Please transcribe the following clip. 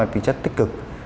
kinh chất tích cực